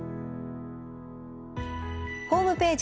ホームページ